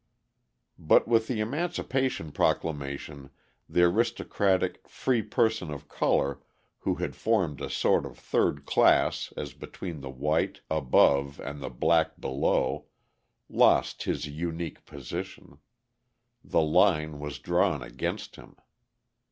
But with the Emancipation Proclamation the aristocratic "free person of colour" who had formed a sort of third class as between the white above and the black below, lost his unique position: the line was drawn against him.